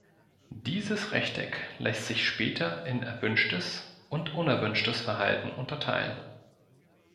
Dieses Rechteck lässt sich später in erwünschtes und unerwünschtes Verhalten unterteilen.